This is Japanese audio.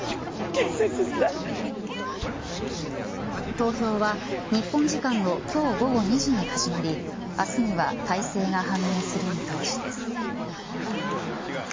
投票は日本時間の今日午後２時に始まり明日には大勢が判明する見通しです。